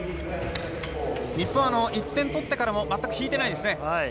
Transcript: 日本は１点取ってからも全く引いてないですね。